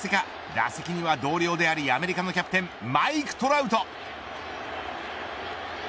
打席には同僚でありアメリカのキャプテンマイク・トラウト。